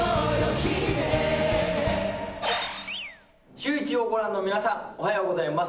シューイチをご覧の皆さん、おはようございます。